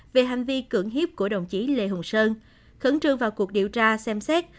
về hành vi cưỡng hiếp của đồng chí lê hùng sơn khẩn trương vào cuộc điều tra xem xét